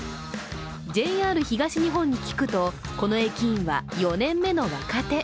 ＪＲ東日本に聞くと、この駅員は４年目の若手。